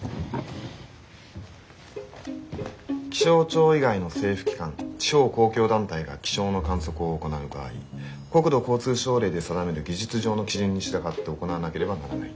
「気象庁以外の政府機関地方公共団体が気象の観測を行う場合国土交通省令で定める技術上の基準に従って行わなければならない。